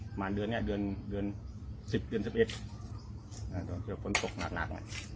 ประมาณเดือนเนี้ยเดือนเดือนสิบเดือนสิบเอ็ดอ่าตอนเจอฝนตกหนักหนักอ่ะ